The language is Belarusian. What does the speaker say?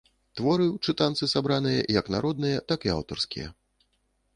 Творы ў чытанцы сабраныя як народныя, так і аўтарскія.